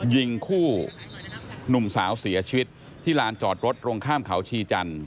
ยิงคู่หนุ่มสาวเสียชีวิตที่ลานจอดรถตรงข้ามเขาชีจันทร์